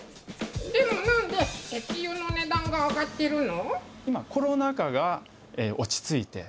でも何で石油の値段が上がってるの。